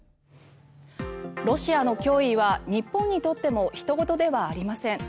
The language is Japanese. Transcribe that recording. ロシアの脅威は日本にとってもひと事ではありません。